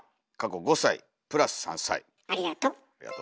ありがと。